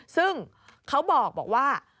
ซึ่งเขาบอกว่า